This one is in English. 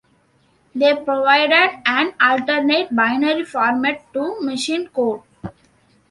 They provided an alternate binary format to machine code.